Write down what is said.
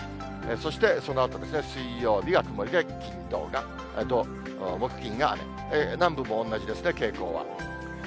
そしてそのあとですね、水曜日が曇りで、金、土が、木金が雨、南部も同じですね、傾向は。